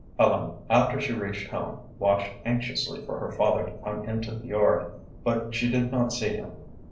Ellen, after she reached home, watched anxiously for her father to come into the yard, but she did not see him.